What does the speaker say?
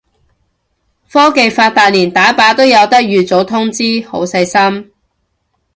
科技發達連打靶都有得預早通知，好細心